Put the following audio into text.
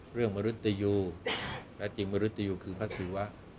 เรื่องมฤตยูแท้จริงมฤตยูคือภาษีวะ